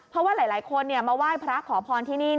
เพราะว่าหลายคนมาไหว้พระขอพรที่นี่